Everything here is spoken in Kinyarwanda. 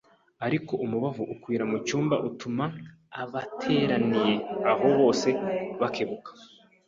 ariko umubavu ukwira mu cyumba, utuma abateraniye aho bose bakebuka